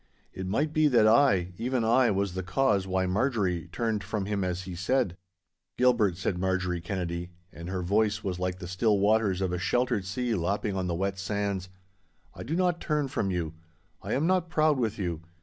It might be that I, even I, was the cause why Marjorie turned from him as he said. 'Gilbert,' said Marjorie Kennedy, and her voice was like the still waters of a sheltered sea lapping on the wet sands, 'I do not turn from you. I am not proud with you.